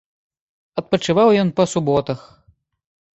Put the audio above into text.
Адпачываў ён па суботах.